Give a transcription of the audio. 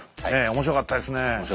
面白かったですね。